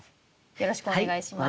よろしくお願いします。